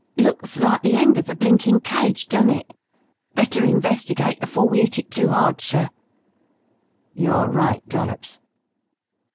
Looks like the end of the blinkin' cage, don't it? Better investigate afore we 'it it too hard, sir." "You're right, Dollops."